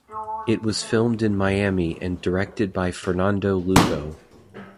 It was filmed in Miami and directed by Fernando Lugo.